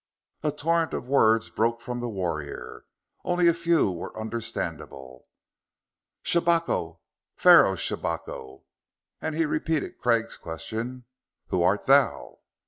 A torrent of words broke from the warrior. Only a few were understandable. "Shabako Pharaoh Shabako!" And he repeated Craig's question: "Who art thou?"